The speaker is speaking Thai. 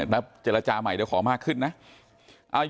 ไม่มีนะเค้าไม่เคยคุยอะไรกันอีกเลย